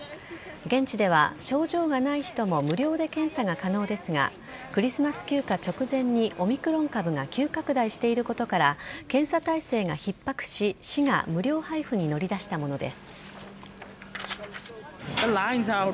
現地では症状がない人も無料で検査が可能ですがクリスマス休暇直前にオミクロン株が急拡大していることから検査体制がひっ迫し市が無料配布に乗り出したものです。